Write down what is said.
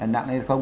nặng hay không